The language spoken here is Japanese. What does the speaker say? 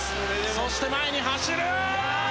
そして、前に走る！